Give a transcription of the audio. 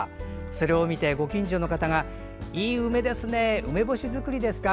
それを見て、ご近所の方がいい梅だね、梅干し作りですか？